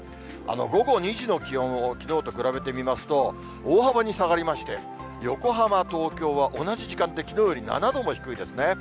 午後２時の気温をきのうと比べてみますと、大幅に下がりまして、横浜、東京は同じ時間できのうより７度も低いですね。